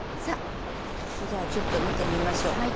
それじゃあちょっと見てみましょう。